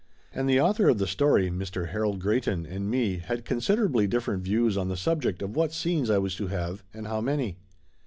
And the author of the story, Mr. Harold Greyton, and me had considerably different views on the subject of what scenes I was to have, and how many.